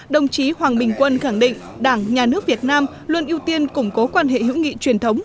đồng chí hoàng bình quân khẳng định đảng nhà nước việt nam luôn ưu tiên củng cố quan hệ hữu nghị truyền thống